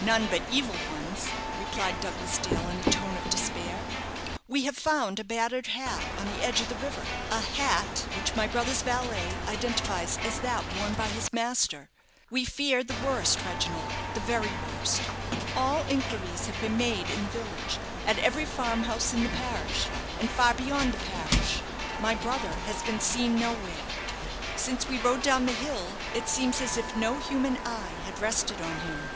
"None but evil ones," replied Douglas Dale, in a tone of despair "we have found a battered hat on the edge of the river hat which my brother's valet identifies as that worn by his master. We fear the worst, Reginald the very worst. All inquiries have been made in the village, at every farm house in the parish, and far beyond the parish. My brother has been seen nowhere. Since we rode down the hill, it seems as if no human eye had rested on him.